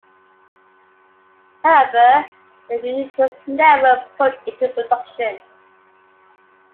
However the unit was never put into production.